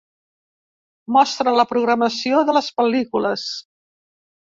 Mostra la programació de les pel·lícules.